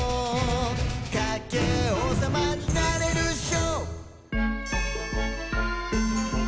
「カッケーおうさまになれるっしょ！」